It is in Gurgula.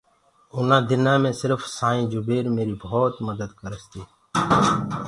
اُنآ دِنآ مينٚ سرڦ سآئيٚنٚ جُبير ميري ڀوت مَدت ڪَرس تي